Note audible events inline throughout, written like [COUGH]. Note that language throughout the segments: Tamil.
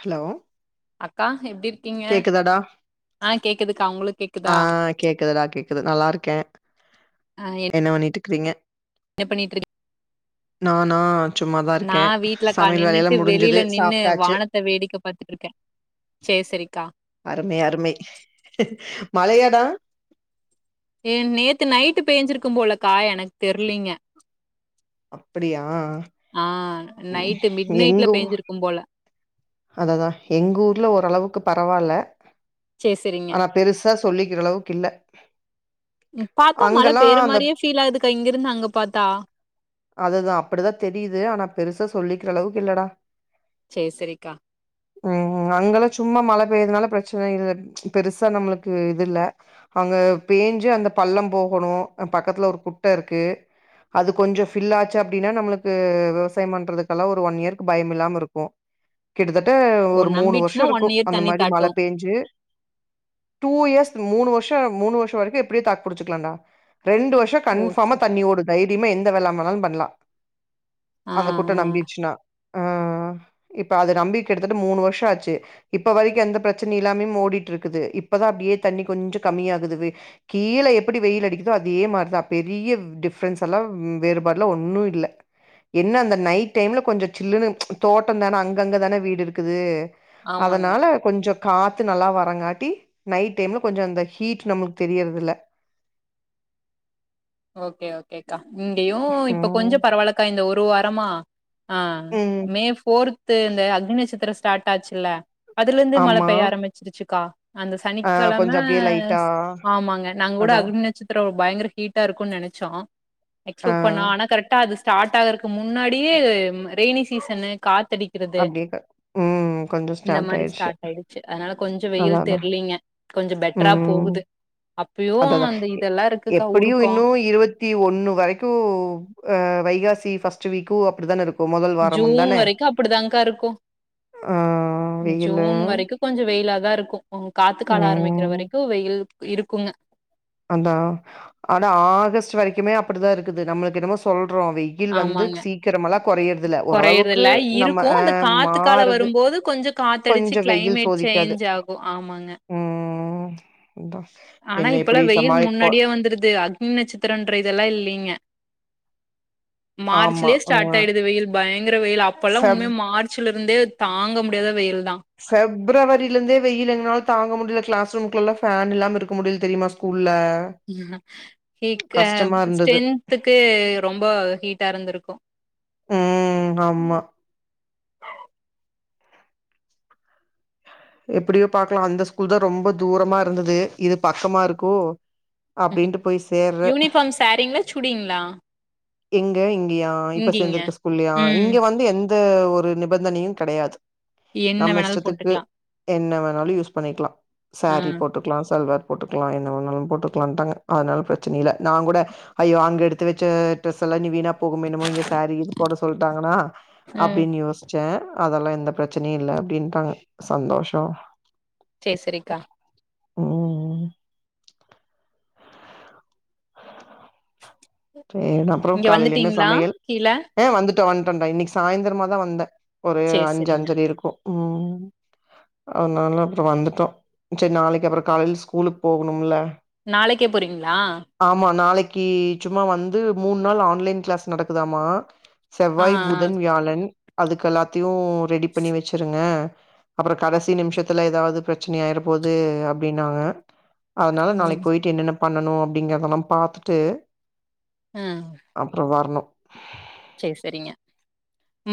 ஹலோ அக்கா எப்டி இருக் கேக்குதாடா உங்களுக்கு ஆ கேக்குதா கேக்குதுடா கேக்குது நல்லாருக்கே ஆ என்ன பண்ணீட்டுக்கறீங்க என்ன பண்ணிட்ருக் நானா சும்மாதா நா இருக்கே வீட்லக்கா சமையல் வேலையெல்லா முடிஞ்சிது சாப்ட்டாச்சு தா வேடிக்க பாத்துட்ருக்கே சேர் சேரிக்கா அருமை அருமை மழையாடா ஏ நேத்து நைட்டு பேஞ்சிருக்கும்போலக்கா எனக் தெர்லீங்க அப்படியா ஆ ம் நைட்டு மிட் நைட்ல எங்க ஊ பேஞ்சிருக்கும்போல அததா எங் ஊர்ல ஓரளவுக்கு பரவால்ல சேர் செரிங்க ஆனா பெருசா சொல்லிக்கிறளவுக் இல்ல ம் பாத்தா மழ அங்கெல்லா பெய்ற அந்த மாரியே ஃபீல் ஆகுதுக்கா இங்கிருந்து அங்க பாத்தா அதுதா அப்பிடிதா தெரியுது ஆனா பெருசா சொல்லிக்கிறளவுக் இல்லடா சேர் செரிக்கா ம் அங்கெல்லா சும்மா மழ பெய்றதுனால பிரச்சன இல்ல பெருசா நம்ளுக்கு இது இல்ல அங்க பேஞ்சு அந்த பள்ளம் போகணு அ பக்கத்துல ஒரு குட்ட இருக்கு அது கொஞ்சோ ஃபில் ஆச்சு அப்டினா நம்ளுக்கு விவசாயம் பண்றதுக்கெல்லா ஒரு ஒன் இயர்க்கு பயமில்லாம இருக்கு கிட்டத்தட்ட ஓ ஒரு மூணு வர்ஷோ நம்பிடுச்சுன்னா ஒன் இருக்கு இயர் அந்த தண்ணி மாரி மழ தாட்டு பேஞ்சு டூ இயர்ஸ் ம் மூணு வர்ஷோ மூணு வர்ஷோ வரைக்கு எப்டியோ தாக் புடிச்சுக்கலான்டா ரெண்டு வர்ஷோ ஓ சே கன்ஃபாமா தண்ணி ஓடு தைரியமா எந்த வெள்ளாம் வேணாலு பண்லா ஆ அந்த குட்ட ஆ நம்பீர்ச்சுன்னா ஆ இப்ப அது நம்பி கிட்டத்தட் மூணு வர்ஷோ ஆச்சு இப்ப வரைக்கு எந்த பிரச்சனையில்லாமயும் ஓடிட்ருக்குது இப்பதா அப்டியே தண்ணி கொஞ்சோ கம்மியாகுது அ கீழ எப்பிடி வெயில் அடிக்குதோ அதே மாரிதா பெரிய டிஃப்ரென்ஸ் எல்லா வேறுபாடுலா ஒன்னு இல்ல என்ன அந்த நைட் டைம்ல கொஞ்ச சில்லுனு தோட்டந்தான அங் கங்க தான வீடுருக்குது ஆமாங்க அதனால கொஞ்சோ காத்து நல்லா வரங்காட்டி நைட் டைம்ல கொஞ்சோ இந்த ஹீட்டு நம்மள்க் தெரியறதில்ல ஓகே ஓகேக்கா இங்கயு இப்ப ம் கொஞ்சோ பரவால்லக்கா இந்த ஒரு வாரமா ஆ ம் மே ஃபோர்த்து இந்த அக்னி்நட்சத்திரோ ஸ்டாட் ஆச்சுல்ல அதுலர்ந்து மழ ஆமா பெய்ய ஆரம்மிச்சிருச்சுக்கா அந்த ஆ சனிக்கெழம கொஞ்சோ அப்டியே லைட்டா ஸ் ஆமாங்க நாங்கூட அதா அக்னி நட்சத்திரோ பயங்கர ஹீட் டாருக்குன் நெனச்சோ எக்ஸ்பெட் ஆ பண்ணோ ஆனா கரெக்ட்டா அது ஸ்டாட் ஆகறக் கு முன்னாடியே ம் ரெய்னி சீசனு காத்தடி க்கிறது அப்டியே க ம் கொஞ்சோ இந்த ஸ்டார்ட் மாரி ஆயிடுச்சு ஸ்டாட் ஆய்டுச்சு அதனால கொஞ்சோ வெயில் அதா அதா தெர்லீங்க கொஞ்ச பெட்டரா ம் போகுது அப்பயு அந்த இதெல்லா இருக்குக்கா உரு கு இருவத்தி ஒன்னு வரைக்கு அ வைகாசி ஃபஸ்ட் வீக்கு அப்படித்தான இருக் ஜூன் வரைக்கு அப்படிதாங்கா இருக்கு ஆ வெயிலு ஜூன் வரைக்கு கொஞ்சோ வெயிலாதா இருக்கு காத்துக்கால ஆரம்பிக்கிற ம் வரைக்கு வெயில் இருக்குங்க அதா ஆனா ஆகஸ்ட் வரைக்குமே அப்படிதா இருக்குது நம்மளுக்கு என்னமோ சொல்றோ வெய் யில் வந்து ஆமாங்க. சீக்கிரமாலா கொறையிற்தில்ல ஓரளவுக்கு கொறையறதில்ல நம்ம இருக்கு. ஆ அந்த காத்து கால மாறுது வரும்போது கொஞ்சோ காத்தடிச்சு கொஞ்சோ வெயில் கிளைமேட் சோதிக்காது சேஞ்ச் ஆகு ஆமாங்க ம் அதா ஆனா என்ன எப்படி இப்பல்லாம் வெயில் முன்னாடியே வந்துருது அக்னி நட்சத்திரன்ற இதெல்லா இல்லீங்க ஆமா மார்ச்லியே ஆ ஸ்டாட் ஆயிடுது வெயில் பயங்கிர வெயில் அப்பல்லா ஃபெப் உண்மியா மார்ச் சுல இருந்தே தாங்க முடியாத வெயில்தா ஃபெப்ரவரில இருந்தே வெயில் எங்னால தாங்க முடில கிளாஸ் ரூமுக்குல்லலா ஃபேன் இல்லாம இருக்க முடில தெரியுமா ஸ்கூல்ல இக்க கஷ்டமா இருந்தது ஸ்ட்ரென்துக்கு ரொம்ப ஹீட்டா இருந்திருக்கு ம் ஆமா எப்படியோ பாக்கலா அந்த ஸ்கூல்தா ரொம்ப தூரமா இருந்துது இது பக்கமா இருக்கவு ம் ம் யூனிஃபாம் சேரீங்களா சுடிங்ளா எங்க இங்கயா இப்ப சேந்திருக்க ஸ்கூல்லயா ம். இங்க வந்து எந்த ஒரு நிபந்தனையு கெடயாது என்ன நம்ம வேணாலு இஷ்டத்துக்கு போட்டுக்கலா என்ன வேணாலு யூஸ் பண்ணிக்லா ஆ சேரி போட்டு க்லா சல்வார் போட்டுக்லா என்ன வேணாலு போட்டுக்லான்டாங்க அதனால ப்ரெச்சன இல்ல நாங் கூட ஐயோ அங்க எடுத்து வெச்ச ட்ரெஸெல்லா இனி வீணா போகுமோ என்னமோ இங்க சேரீ கீரி போட சொல்ட்டாங்கனா ம் அப்டின் யோஸ் ச்சே அதெல்லா எந்த ப்ரெச்சனியு இல்ல அப்டின்டாங்க சந்தோஷோ சே சேரிக்கா ம் ம் சேர் அப்பறோ இங்க காலையில என்ன வந்துட்டீங்களா சமையல் கீழ ஆ வந்துட்டோ வந்ட்டோடா இன்னைக்கு சாய்ந்திரமாதா வந்தே ஒரு சேரி அஞ்சு சேரிங்க அஞ்சர இருக்கு ம் அதனால அப்பறோ வந்துட்டோ சேர் நாளைக்கப்பறோ காலைல ஸ்கூலுக் போகணுமுல நாளைக்கே போறீங்ளா ஆமா நாளைக்கு சும்மா வந்து மூண் நாள் ஆன்லைன் க்ளாஸ் நடக்குதாமா ஆ ஆ செவ்வாய் புதன் வியாழன் அதுக்கல்லாத்தியு ரெடி பண்ணி வெச்சிருங்க அப்பறோ கடசி நிம்ஷத்துல எதாவ்து ப்ரெச்சின ஆயிற போது அப்டின்னாங்க அதனால நாளைக் ம் போயிட்டு என்னென்ன பண்ணனு அப்டிங்கறதெலாம் பாத்துட்டு அ அப்றோ வரணு சேர் செரிங்க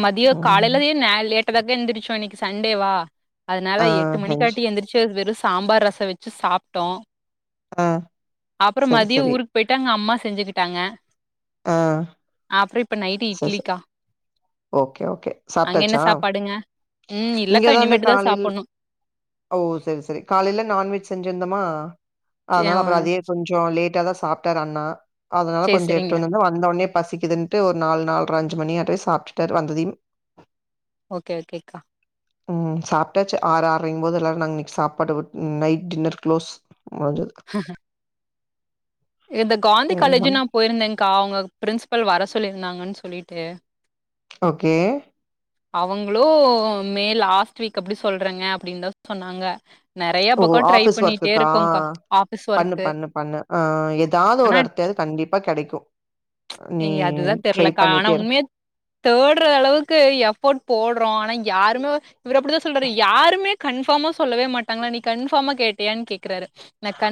மதியோ ம். காலைவே நா லேட்டதாக்க எந்திரிச்சோ இன்னிக்கு சண்டேவா ஆ அதனால எட்டு மணி லஞ்ச் காட்டி எந்திரிச்சு வெறு சாம்பார் ரசோ வெச்சு சாப்டோ ஆ அப்பறோ சரி, மதியோ சரி. ஊருக் போய்ட்டு அங்க அம்மா செஞ்சுக்கிட்டாங்க ஆ அப்புறோ இப்ப நைட்டு இட்லி சரி, க சரி. ஓகே ஓகே அங்க என்ன சாப்டாச்சா சாப்பாடுங்க ம் இல்லக்கா இங்கதா இந்த இனிமேட்டுதா காலைல் சாப்புட்ணு ஓ சேரி சேரி காலையில நான்வெஜ் செஞ்சிருந்தோமா சே அத்னால அப்பறோ அதயே கொஞ் சோ லேட்டாதா சாப்டாரு அண்ணா அதனால சேரி கொஞ்சோ சேரிங்க எட்த்துட் வந்தோன வந்த ஒன்னே பசிக்குதுன்ட்டு ஒரு நாலு நால்ற அஞ்சு மணியாட்டவே சாப்டுட்டாரு வந்ததியும் ஓகே ஓகேக்கா ம் சாப்டாச்சு ஆறு ஆறையுங்கிம்போது எல்லோரு நாங் இன்னைக் சாப்பாடு வி நைட் டின்னர் க்ளோஸ் மது இந்த காந்தி காலேஜு நா போயிருந்தேன்கா அவங்க பிரின்சிபல் வர சொல்லியிருந்தாங்கன்னு சொல்லிட்டு ஓகே அவங்களோ மே லாஸ்ட் வீக் அப்டி சொல்றங்க அப்டின்னு தா சொன்னாங்க நெறைய ஓ பக்கம் ட்ரை ஆபிஸ் பண்ணிட்டே ஒர்க்குக்கா இருக்கோம்க்கா. ஆஃபீஸ் பண்ணு ஒர்க்கு. பண்ணு பண்ணு ஆ ஏதாவது ஒரு எடத்த கண்டிப்பா கெடைக்கு அதுதா தெரலக்கா ஆனா பண்ணிட்டே இரு. உண்மையா தேட்ற அளவுக்கு எஃபோர்ட் போடுறோ ஆனா யாருமே இவர் அப்டிதா சொல்றாரு யாருமே கன்பார்மா சொல்லவே மாட்டாங்களா நீ கன்ஃபார்மா கேட்டியானு கேக்குறாரு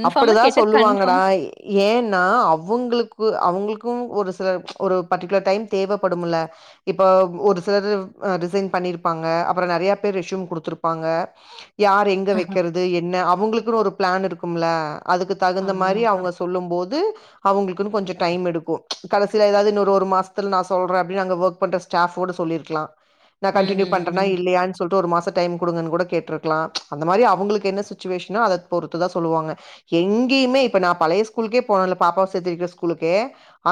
அப்டிதா சொல்லுவாங்கடா ஏன்னா அவங்களுக்கு அவங்களுக்கு ஒரு சில ஒரு பர்டிகுலர் டைம் தேவைப்படும்ல இப்ப ஒரு சிலர் ரிசைன் பண்ணிருப்பாங்க அப்பற நெறைய பேர் ரெஷ்யூம் குடுத்துருப்பாங்க யார் எங்க வெக்கிறது என்ன அவங்களுக்குன்னு ஒரு பிளான் இருக்கும்ல அதுக்கு தகுந்த மாரி ஆமாக்கா. அவங்க சொல்லும் போது அவங்களுக்குன்னு கொஞ்சோ டைம் எடுக்கு கடைசியில் ஏதாவது இன்னொரு ஒரு மாசத்துல நா சொல்றே அப்படின் அங்க ஒர்க் பண்ணுற ஸ்டாஃப் கூட சொல்லியிருக்கலா நான ம், கண்டினியூ ம், பண்றா ம், இல்லையான்னு சொ ல்ட்டு ஒரு மாசோ டைம் குடுங்க கூட கேட்டுருக்கலா அந்த மாதிரி அவங்களுக்கு என்ன சிச்சுவேஷனோ அத பொறுத்தா சொ ல்லுவாங்க எங்கேயுமே இப்ப நா பழைய ஸ்கூல்லுக்கே போனேல பாப்பாவ சேத்து வெக்க ஸ்கூலுக்க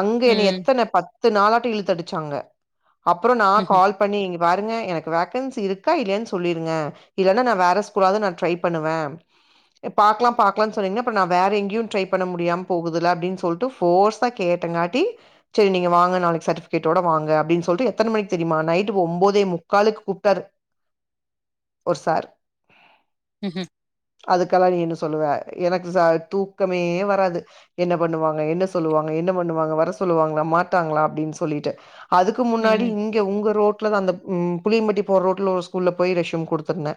அங்க என்ன ம், எத்தனை பத்து நாளாட்ட இழுத்த அடிச்சாங்க அப்புறோ நா ம்ஹ்ம், கால் பண்ணி இங்க பாருங்க எனக்கு வேக்கன்சி இருக்கா இல்லையான்னு சொல்லிருங்க இல்லன்னா நா வேற ஸ்கூலாவது நா ட்ரை பண்ணுவே பாக்கலாம் பாக்காலுனு சொன்னீங்கன்னா அப்ப நா வேற எங்கேயு ட்ரை பண்ண முடியாம போகுதுல அப்டின்னு சொல்ட்டு போர்சா கேட்டங்காட்டி செரி நீங்க வாங்க நாளைக்கு சர்டிபிகேடோட வாங்க அப்டின்னு சொல்ட்டு எத்தனை மணிக்கு தெரியுமா நைட்டு ஒம்பதே முக்காலு கூப்ட்டாரு ஒரு சாரு ம் ஹூ அதுக்கெல்லா நீ என்ன சொல்லுவ எனக்கு ச தூக்கமே வராது என்ன பண்ணுவாங்க என்ன சொல்லுவாங்க என்ன பண்ணுவாங்க வர சொல்லுவாங்களா மாட்டாங்களா அப்டின்னு சொல்லிட்டு அதுக்கு முன்னாடி ம். இங்கே உங்கள் ரோட்டில் தா அந்த ம் புளியம்பட்டி போற ரோட்ல ஒரு ஸ்கூல்ல போய் ரெஸ்யூம் குடுத்துருந்தே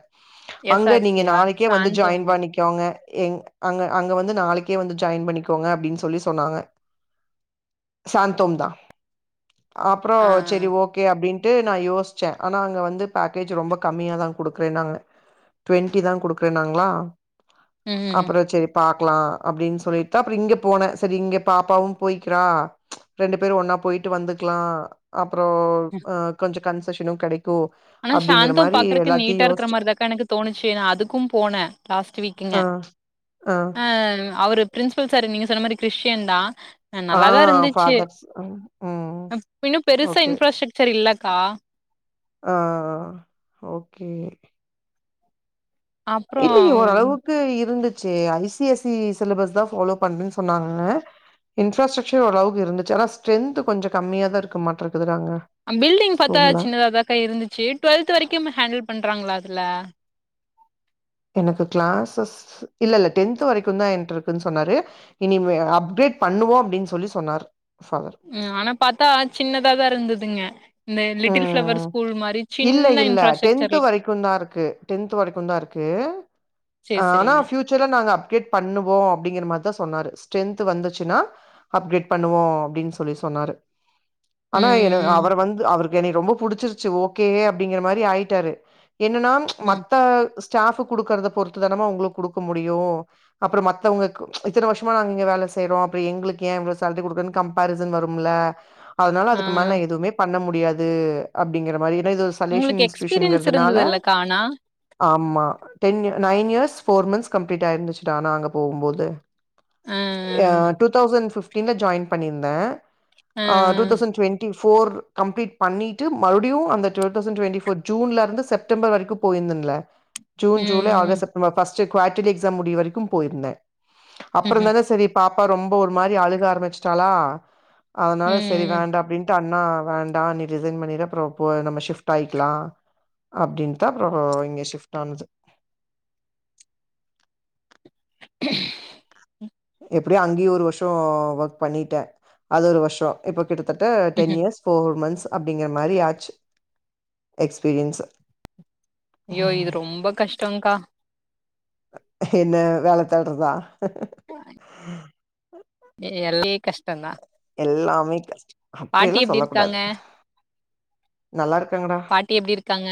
அங்க நீங்க எஸ்ஆர்சியா? நாளைக்கே வந்து ஜாயின் சாந்தோமா? பண்ணிக்கோங்க எங் அங்க அங்க வந்து நாளைக்கே வந்து ஜாயின் பண்ணிக்கோங்க அப்டின்னு சொல்லி சொன்னாங்க சாந்தோம் தா அப்புறோ ஆ சேரி ஓக் ஓகே அப்டின்ட்டு நா யோசிச்சே ஆனா அங்கே வந்து பேக்கேஜ் ரொம்ப கம்மியாக தா குடுக்குறேனாங்க டு்வெண்ட்டி தா குடுக்குறே நாங்களா ம் ம் அப்புறோ செரி பாக்கலா அப்டின்னு சொல்லிட்டு தா அப்புறோ இங்க போனேன் செரி இங்க பாப்பாவு போய்கிறா ரெண்டு பேரு ஒன்னா போயிட்டு வந்துக்கலா அப்றோ அ கொஞ்சோ கன்சஷனு கெடைக்கு ஆனா அப்டிங்கிற சாந்தோம் மாரி பாக்குறக்கு எல்லாத்தையு நீட்டா இருக்க யோசிச்சு மாதிரிதாக்கா எனக்கு தோணுச்சு நா அதுக்கு போனேன் லாஸ்டு வீக்கங்க ஆ ஆ அவரு பிரின்சிபல் சார் நீங்க சொன்ன மாரி கிறிஸ்டியன் தா ஆ நல்லாதா இருந்துச்சு ஃபாதர்ஸ் ம் இன்னு பெருசா ஓகே இன்ப்ராஸ்ட்ரக்சர் இல்லக்கா ஆ அ ஓகே அப்றோ இல்லயே ஓரளவுக்கு இருந்துச்சு I C S C syllabus தா ஃபாலோ பண்றேன்னு சொன்னாங்க இன்ஃப்ராஸ்டரக்சர் ஓரளவுக்கு இருந்துச்சு ஆன ஸ்டரென்து கொஞ்ச கம்மிய தா இருக்க மாட்ட இருக்குதுடா அங்க பில்டிங் பாத்தா ஸ்கூல்ல சின்னதாக தாக்கா இருந்துச்சு டுவெல்த் வரைக்கும் ஹேண்டில் பண்றாங்களா அதுல எனக்கு கிளாஸஸ் இல்ல இல்ல டென்த் வரைக்கு தா என்ட இருக்குன்னு சொன்னாரு இனி அப்கிரேட் பண்ணுவோ அப்டின்னு சொல்லி சொன்னார் ஃபாதர் ம் ஆனா பாத்தா சின்னதாதா இருந்ததுங்க இந்த லிட்டில் ஃப்ளவர் ம். ஸ்கூல் மாரி இல்ல சின்ன இன்ஃப்ராஸ்ட்ரக்சர் டென்த் வரைக்கு தா இருக்கு சேர் சே ஆனா பியூச்சர்ல நாங்க அப்கிரேட் பண்ணுவோ அப்டிங்ற மாரிதா சொன்னாரு ஸ்ரென்த்து வந்துச்சுன்னா அப்கிரேட் பண்ணுவோ அப்டின்னு சொல்லி சொன்னாரு ஆனா ம் அவர் வந்து அவர் என்னைய ரொம்ப புடிச்சிருச்சு ஓகே அப்டிங்கிற மாரி ஆயிட்டாரு என்னன்னா ம் ம் மத்த ஸ்டாப் குடுக்கறத பொறுத்து தானமா உங்களுக்கு குடுக்க முடியு அப்றோ மத்தவங்க இத்தன வருஷமா நாங்க இங்க வேல செய்யறோ அப்றோ எங்களுக்கு ஏ இவ்ளோ சேலரி குடுக்க கம்ப [UNINTELLIGIBLE] வரும்ல அதனால அதுக்கு மேல ஆ நா எதுவுமே பண்ண முடியாது அப்டிங்கற மாரில்லா சலயூஷன் உங்களுக்கு எக்ஸ்பீரியன்ஸ் இன்ஸ்டூஷன்ங்கிறதுனால இருந்தது இல்லக்கா ஆனா? ஆமா ten nine years four months complete ஆயிருந்துச்சுட்டா நா அங்க போகும் போது அ, ஆ டூ தௌசண்ட் பிப்டீன்ல ஜாயின் பண்ணியிருந்தே ஆ டூ அ, தௌசண்ட் டுவெண்டி டி ஃபோர் கம்ப்ளீட் பண்ணிட்டு மறுபடியு அந்த டூ தௌசண்ட் டுவெண்டி ஃபோர் ஜூன்ல இருந்து செப்டம்பர் வரைக்கு போயிருந்தன்ல ஜூன் ஜூலை ம், August September first quarterly exam முடிர வரைக்கு போயிருந்தே ம்ஹ்ம், அப்புறோதா செரி பாப்பா ரொம்ப ஒரு மாரி அழுக ஆரம்பிச்சிட்டாளா அதனால செரி ம். வேண்டா அப்டின்ட்டு அண்ணா வேண்டா நீ ரிசைன் பண்ணிரு அப்றோ நம்ம ஷிப்ட் ஆயிக்கலா அப்டின்னுதா அப்றோ இங்க ஷிப்ட் ஆனது எப்டியோ அங்கேயு ஒரு வருஷோ ஒர்க் பண்ணிட்டே அது ஒரு வருஷோ இப்ப கிட்டத்தட்ட டென் ம்ஹ்ம். இயர்ஸ் ஃபோர் மந்த்ஸ் அப்டிங்கற மாரி ஆச்சு எக்ஸ்பீரியன்ஸ் ஐய்யோ இது ரொம்ப கஷ்டங்க்கா என்ன வேல தேட்றதா எல்லே கஷ்டந்தா எல்லாமே கஷ்ட தா அப்டியெல்லா எப்படி சொல்ல கூடாது இருக்காங்க? நல்லா இருக்காங்கடா பாட்டி எப்படி இருக்காங்க?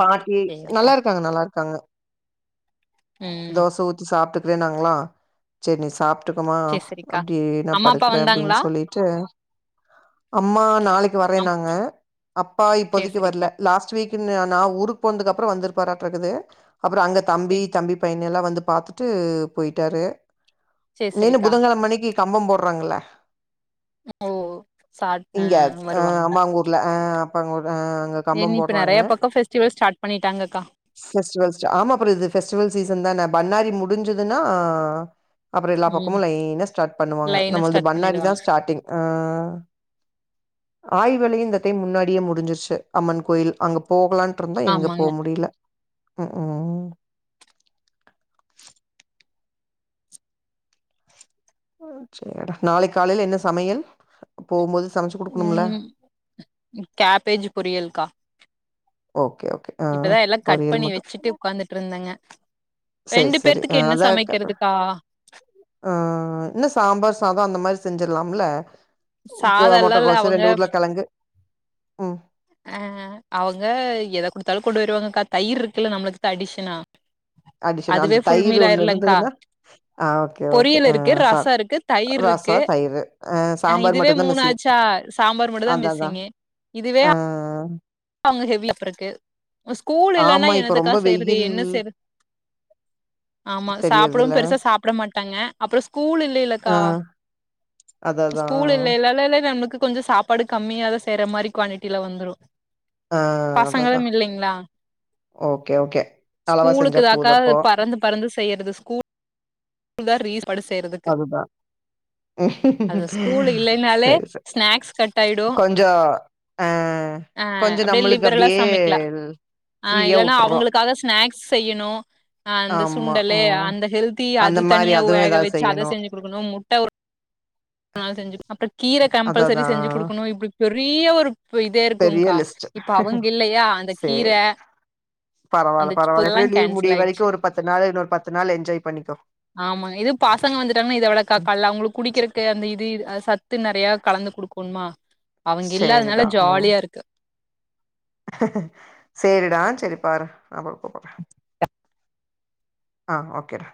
பாட்டி சரிக்கா. நல்லா இருக்காங்க நல்லா இருக்காங்க ம். தோச ஊத்தி சாப்பிட்டுக்கறே அப்டின்னாங்களா செரி நீ சாப் ட்டுக்குமா சரி, சரிக்கா. அப்டி நா அம்மா, அப்பா படுக்கறே வந்தாங்களா? அப்டின்னு சொல்லிட்டு அம்மா நாளிக்கி அம் வரேன்னாங்க அப்பா சரி, இப்போதிக்கி வர்ல சரிக்கா. லாஸ்ட் வீக் நா ஊருக்கு போனதுக்கப்புறோ வந்திருப்பாட்டு இருக்குது அப்றோ அங்க தம்பி சரி, சரி. தம்பி பைய எல்லா வந்து பாத்துட்டு போயிட்டாரு சரி, இன்னி என்ன சரிக்கா. புதங்கெழம அன்னிக்கி கம்பம் போட்றாங்கள்ல ஓ சாட் அ இங்க ஆ வருவாங்க. அம்மாங்க ஊர்ல ஆ அப்பாங்க ஊர்ல ஆ என் இப்ப நெறைய பக்க பெஸ்டிவல் ஸ்டார்ட் பண்ணிட்டாங்கக்கா பெஸ்டிவல்ஸ் ஆமா அப்றோ இது பெஸ்டிவல் சீசன் தான பண்ணாரி முடிஞ்சதுன்னா அப்றோ எல்லா ம். பக்கமு லைனா ஸ்டார்ட் பண்ணுவாங்க லைனா நம்மல்லது ஸ்டார்ட் பண்ணாரிதா பண்ணிடுவாங்க. ஸ்டார்ட்டே ஆ ஆய்வலி இந்த டைம் முன்னாடியே முடிஞ்சிருச்சு அம்மன் கோயில் அங்க போகலான்ட்டு இருந்தோ எங்க ஆமாங்க. போக முடில ம் சேரிடா நாளைக்கி காலையில என்ன சமையல் போகும் போது சமச்சு குடுக்கணும்ல கேப்பேஜ் பொரியல்க்கா ஓகே ஓகே ஆ இப்பதா எல்லா கட் பொரியல் பண்ணி மட்டும். வெச்சுட்டு உக்காந்துட்டு இருந்தேங்க சரி, ரெண்டு சரி. அ பேர்த்துக்கு என்ன சமைக்கிறதுக்கா ம் இல்லனா சாம்பார் சாதோம் அந்த மாரி செஞ்சிடலாம்ல ஓகேவா சாதல்லா இல்ல முட்டக்கோசு அவங்க ரெண்டு உருள கெழங்கு ம் அன் அவ்ங்க எதகொடுத்தாலு கொண்டு வருவாங்கக்கா தயிர் இருக்குல்ல நம்ளுக்கு தா அடிஷ்னலா அடிஷனா அந்த தயிர் ஒண்ணு ஆயிரலங்க்கா இருந்ததுன்னா ஆன் ஓகே ஓகே பொரியல் இருக்கு ன் ரசோ சாப்ட் இருக்கு தயிர் ரசோ இருக்கு தயிரு அ ஆ சாம்பார் இதுவே மட்டுதா மிஸ்ஸிங் மூணாச்சா சாம்பார் மட்டுந்தா அதா அதா மிஸ்ஸிங்கு இதுவே ஆ அங்க ஹெவிலப்பு இருக்கு ஸ்கூல் இல்லன்னா ஆமா இப்ப என்னதுக்கா ரொம்ப செய்யறது வெயில் என்ன செய்ற ஆமா சாப்டவும் தெரியறதுல்ல பெருசா சாப்ட மாட்டாங்க அப்பறம் ஸ்கூல் ஆ இல்லைல்லக்கா அதா அதா ஸ்கூல் ஆ இல்லல்லலாலே நம்மளுக்கு கொஞ்சம் சாப்பாடு கம்மியா தா செய்ற மாரி குவாண்டிட்டில வந்துரும் ஆ அததா பசங்களும் இல்லிங்களா ஓகே ஓகே அளவா செஞ்சா ஸ்கூலுக்குதாக்கா போது அப்போ பறந்து பறந்து செய்றது ஸ்கூல் ல்லா ரீஸ் பாடு செய்றதுக்கு அதுதா அந்த ஸ்கூல் இல்லைனாலே சரி சரி ஸ்நாக்ஸ் கட் ஆயிடும் கொஞ்சோ ஆ அன் கொஞ்சோ அப்டியே நம்மளுக்கு லிபரலா அப்டியே சமைக்கலாம் ஆ ஃப்ரீயா இல்லன்னா உட்டுறோ அவுங்குளுக் காலைல ஸ்நாக்ஸ் செய்யுணும் அந்த ஆமா சுண்டலு ம் அந்த ஹெல்தி அது அந்த மாரி தனியா அதுவு வேக எதாவது வச்சு அத செய்யணு செஞ்சு கொடுக்கணும் முட்ட ஒரு ஆ செஞ்சு அப்பறம் கீர கம்பல்சரி அததா செஞ்சு குடுக்கணும் இப்டி பெரிய ஒரு இப்ப இதே பெரிய இருக்குங்கா லிஸ்ட் இப்ப அவுங்க இல்லயா அந்த சேரி கீரெ பரவால்ல பரவால இப்டியே லீவ் கேன்சல் முடிய ஆயிடுச்சு வரைக்கும் ஒரு பத்து நாள் இன்னொரு பத்து நாள் என்ஜாய் பண்ணிக்கோ ஆமா இது பசங்க வந்துட்டாங்கனா இதவளக்கா ம் கால அவங்ளுக்கு சே குடிக்கிறக்கு அந்த இது சத் த்து நெறைய கலந்து குடுக்குணுமா அவ்ங்க இல்லாதனால சேரிடா ம் ஜாலியா இருக்கு சேரிடா சேரி பாரு நா அப்பறம் கூப்புறேன் ஆன் ஓகே டா